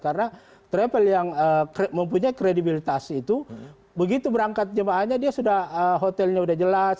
karena travel yang mempunyai kredibilitas itu begitu berangkat jemaahnya dia sudah hotelnya sudah jelas